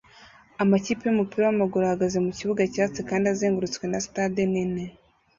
Amakipe yumupira wamaguru ahagaze mukibuga cyatsi kandi azengurutswe na stade nini